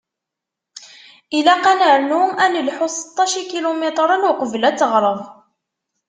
Ilaq ad nernu ad nelḥu seṭṭac ikilumitren uqbel ad tɣerreb.